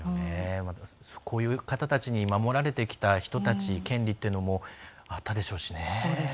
こういう方たちに守られてきた人たち権利というのもあったでしょうしね。